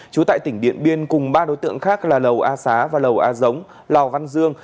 chú tại tỉnh điện biên cùng ba đối tượng khác là lầu a xá và lầu a giống lò văn dương